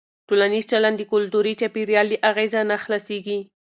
ټولنیز چلند د کلتوري چاپېریال له اغېزه نه خلاصېږي.